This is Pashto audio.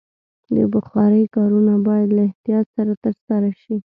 د بخارۍ کارونه باید له احتیاط سره ترسره شي.